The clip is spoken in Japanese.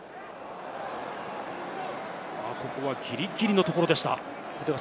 ここはギリギリのところでした。